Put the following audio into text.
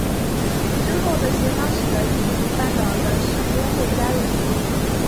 之后的协商使得伊比利半岛的圣公会加入协议。